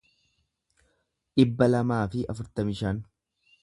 dhibba lamaa fi afurtamii shan